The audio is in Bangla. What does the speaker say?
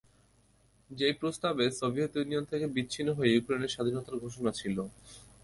যেই প্রস্তাবে সোভিয়েত ইউনিয়ন থেকে বিচ্ছিন্ন হয়ে ইউক্রেনের স্বাধীনতার ঘোষণা ছিল।